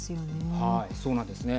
そうなんですね。